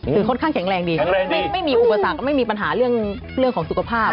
คือค่อนข้างแข็งแรงดีแข็งแรงดีไม่มีอุปสรรคไม่มีปัญหาเรื่องเรื่องของสุขภาพ